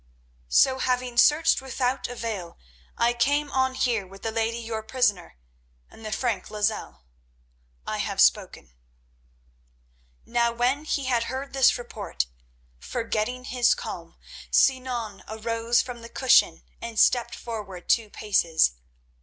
"So, having searched without avail, I came on here with the lady your prisoner and the Frank Lozelle. I have spoken." Now when he had heard this report, forgetting his calm, Sinan arose from the cushion and stepped forward two paces.